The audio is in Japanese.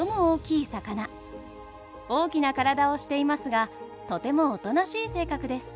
大きな体をしていますがとてもおとなしい性格です。